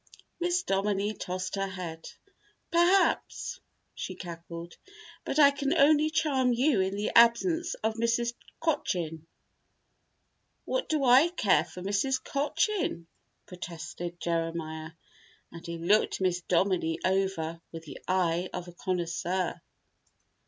Miss Dominie tossed her head. "Perhaps," she cackled, "but I can only charm you in the absence of Mrs. Cochin." "What do I care for Mrs. Cochin?" protested Jeremiah, and he looked Miss Dominie over with the eye of a connoisseur.